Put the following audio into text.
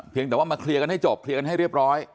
แต่ว่ามาเคลียร์กันให้จบเคลียร์กันให้เรียบร้อย